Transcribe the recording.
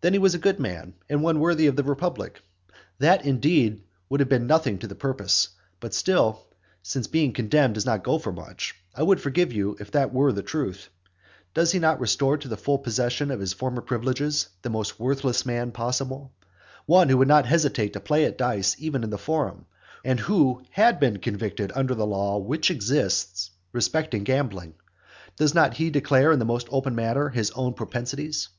Then he was a good man, and one worthy of the republic. That, indeed, would have been nothing to the purpose, but still, since being condemned does not go for much, I would forgive you if that were the truth. Does not he restore to the full possession of his former privileges the most worthless man possible, one who would not hesitate to play at dice even in the forum, and who had been convicted under the law which exists respecting gambling, does not he declare in the most open manner his own propensities?